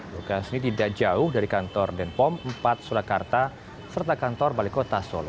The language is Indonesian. lokas ini tidak jauh dari kantor denpom empat surakarta serta kantor balikota solo